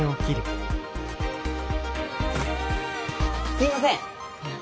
すいません。